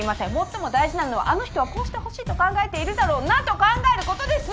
最も大事なのは「あの人はこうして欲しいと考えているだろうな」と考えることです。